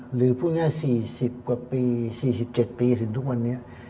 หรือพูดง่าย๔๐กว่าปี๔๗ปีถึงทุกวันนี้